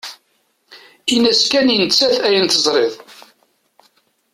Ini-as kan i nettat ayen tesrid.